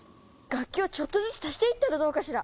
楽器をちょっとずつ足していったらどうかしら？